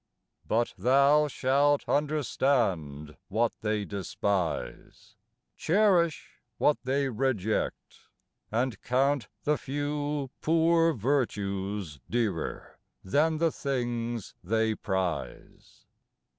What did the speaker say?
But thou shalt understand what they despise, Cherish what they reject, and count the few Poor virtues dearer than the things they prize.